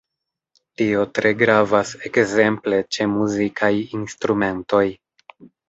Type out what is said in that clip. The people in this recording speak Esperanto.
Tio tre gravas ekzemple ĉe muzikaj instrumentoj.